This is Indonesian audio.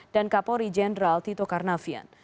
dan kapolri jenderal tito karnavian